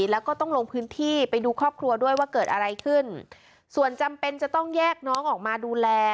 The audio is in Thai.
แล้วก็ต้องลงพื้นที่ไปดูครอบครัวด้วยว่าเกิดอะไรขึ้นส่วนจำเป็นจะต้องแยกน้องออกมาดูแล